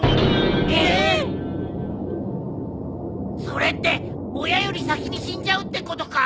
それって親より先に死んじゃうってことか？